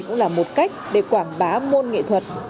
cũng là một cách để quảng bá môn nghệ thuật